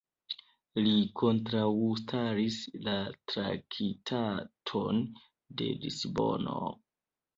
Li kontraŭstaris la Traktaton de Lisbono.